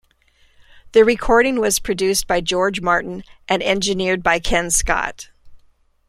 The recording was produced by George Martin and engineered by Ken Scott.